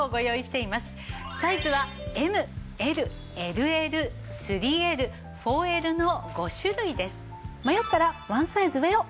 サイズはＭＬＬＬ３Ｌ４Ｌの５種類です。